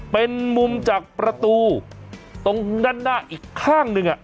เป็นมุมจากประตูตรงด้านหน้าอีกข้างหนึ่ง